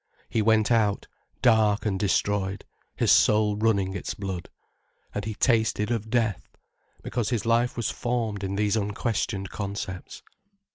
He went out, dark and destroyed, his soul running its blood. And he tasted of death. Because his life was formed in these unquestioned concepts.